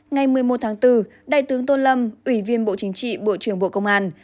ngày một mươi một tháng bốn đại tướng tô lâm ủy viên bộ chính trị bộ trưởng bộ công an